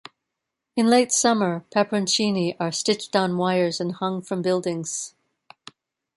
In late summer, peperoncini are stitched on wires and hung from buildings.